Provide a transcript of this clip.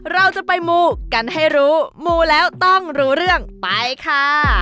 เราจะไปมูกันให้รู้มูแล้วต้องรู้เรื่องไปค่ะ